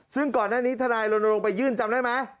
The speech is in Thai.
ซึ่งก่อนหน้านี้ทนายรณรงค์ไปยื่นจำได้ไหม